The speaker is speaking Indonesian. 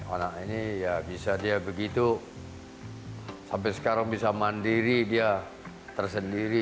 anak ini ya bisa dia begitu sampai sekarang bisa mandiri dia tersendiri